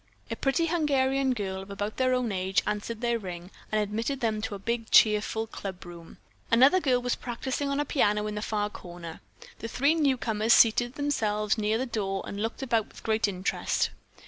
A pretty Hungarian girl of about their own age answered their ring and admitted them to a big cheerful clubroom. Another girl was practicing on a piano in a far corner. The three newcomers seated themselves near the door and looked about with great interest.